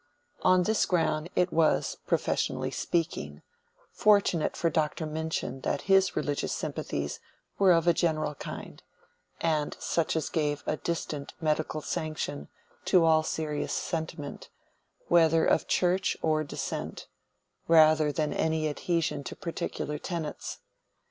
On this ground it was (professionally speaking) fortunate for Dr. Minchin that his religious sympathies were of a general kind, and such as gave a distant medical sanction to all serious sentiment, whether of Church or Dissent, rather than any adhesion to particular tenets.